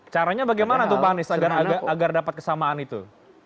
caranya bagaimana tuhan agar dapat kesamaan itu